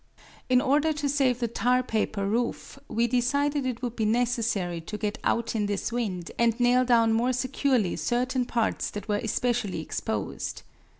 In order to save the tar paper roof, we decided it would be necessary to get out in this wind and nail down more securely certain parts that were especially exposed.